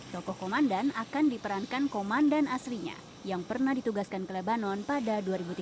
tokoh komandan akan diperankan komandan aslinya yang pernah ditugaskan ke lebanon pada dua ribu tiga belas